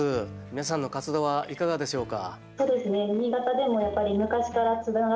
皆さんの活動はいかがでしょうか。